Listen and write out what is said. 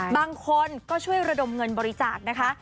บางคนก็ช่วยระดมเงินบริจาคนะคะ